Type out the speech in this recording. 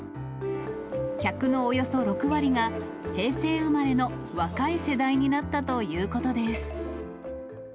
客のおよそ６割が平成生まれの若い世代になったということです。